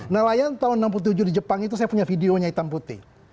nelayan tahun seribu sembilan ratus tujuh di jepang itu saya punya videonya hitam putih